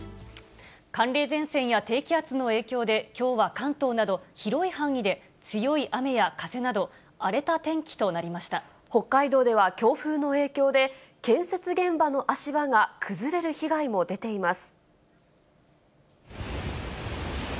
寒冷前線や低気圧の影響で、きょうは関東など、広い範囲で強い雨や風など、荒れた天気となり北海道では強風の影響で、建設現場の足場が崩れる被害も出ています。